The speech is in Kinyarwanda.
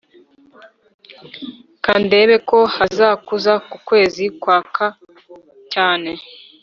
Kandebe ko hazakuza kukwezi kwaka cyane